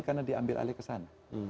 karena diambil alih ke sana